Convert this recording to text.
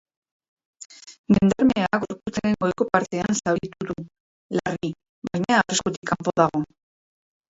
Gendarmea gorputzaren goiko partean zauritu du, larri, baina arriskutik kanpo dago.